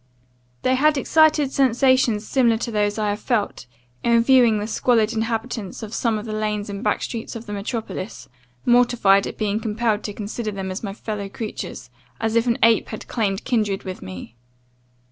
"They had excited sensations similar to those I have felt, in viewing the squalid inhabitants of some of the lanes and back streets of the metropolis, mortified at being compelled to consider them as my fellow creatures, as if an ape had claimed kindred with me.